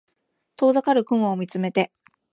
遠ざかる雲を見つめて